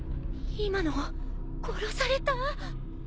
今の殺された？